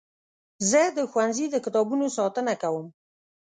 زه د ښوونځي د کتابونو ساتنه کوم.